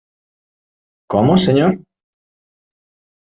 ¿ cómo, señor?